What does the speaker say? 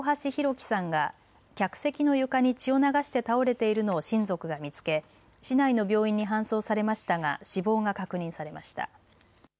輝さんが客席の床に血を流して倒れているのを親族が見つけ市内の病院に搬送されましたが死亡が確認されました。